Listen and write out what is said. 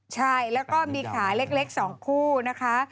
ใช่แล้วก็มีขาเล็ก๒คู่นะคะ